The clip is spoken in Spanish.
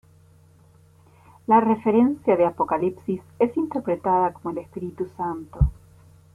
La referencia de Apocalipsis es interpretada como el Espíritu Santo.